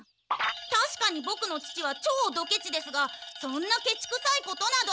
たしかにボクの父は超ドケチですがそんなケチくさいことなど。